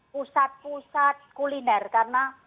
pusat pusat kuliner karena